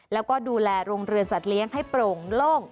แล้วก็ดูแลโรงเรือนสัตว์เลี้ยงให้โปร่งโล่ง